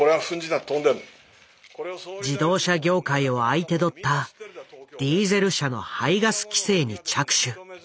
自動車業界を相手取ったディーゼル車の排ガス規制に着手。